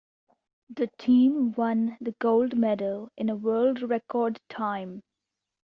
The team won the gold medal in a world record time.